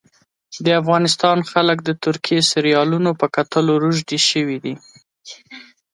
د افغانستان خلک د ترکي سیریالونو په کتلو روږدي سوي دي